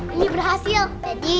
ini berhasil jadi